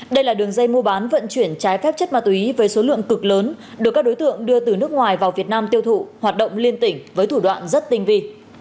đây là đường dây mua bán vận chuyển trái phép chất ma túy với số lượng cực lớn được các đối tượng đưa từ nước ngoài vào việt nam tiêu thụ hoạt động liên tỉnh với thủ đoạn rất tinh vi